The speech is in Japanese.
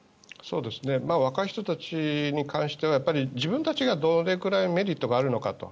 若い人たちに関しては自分たちがどれくらいメリットがあるのかと。